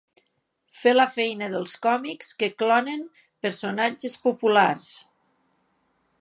Fer la feina dels còmics que clonen personatges populars.